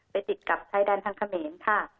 ติดกับชายแดนทางเขมรค่ะ